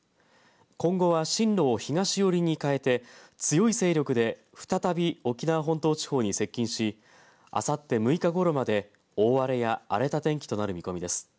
今後は、進路を東寄りに変えて強い勢力で再び沖縄本島地方に接近しあさって６日ごろまで大荒れや荒れた天気となる見込みです。